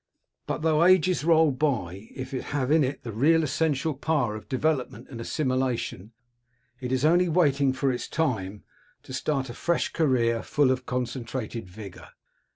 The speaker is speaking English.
But though ages roll by, if it have in it the real essential power of development and assimilation, it is only waiting for its time to start a fresh career, full of concentrated vigour.